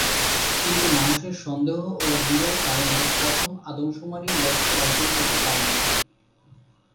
কিন্তু মানুষের সন্দেহ ও দ্বিধার কারণে প্রথম আদমশুমারি লক্ষ্য অর্জনে সফল হতে পারেনি।